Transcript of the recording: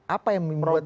apa yang membuat